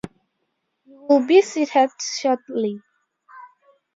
You will be seated shortly.